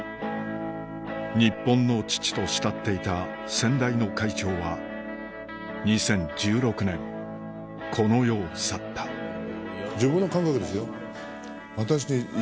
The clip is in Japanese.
日本の父と慕っていた先代の会長は２０１６年この世を去った自分の感覚ですよ。